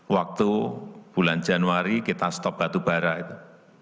waktu bulan januari kita stop batu bara itu